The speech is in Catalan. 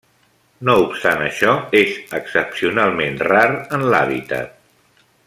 No obstant això, és excepcionalment rar en l'hàbitat.